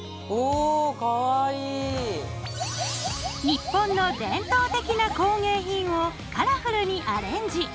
日本の伝統的な工芸品をカラフルにアレンジ。